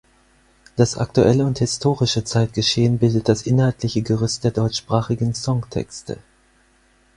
Das aktuelle und historische Zeitgeschehen bildet das inhaltliche Gerüst der deutschsprachigen Songtexte.